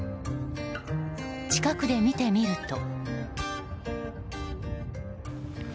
近くで見てみると。